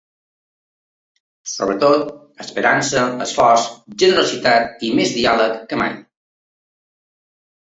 Sobretot: esperança, esforç, generositat i més diàleg que mai.